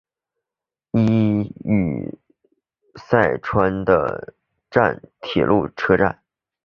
伊予寒川站的铁路车站。